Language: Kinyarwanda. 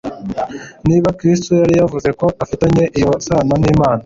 niba Kristo yari yavuzeko afitanye iyo sano n’Imana.